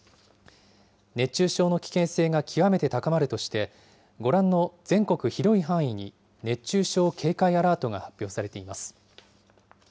熱中症の危険性が極めて高まるとして、ご覧の全国広い範囲に熱中症警戒アラートが発表されています。